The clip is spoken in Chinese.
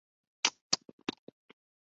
鸻刺缘吸虫为棘口科刺缘属的动物。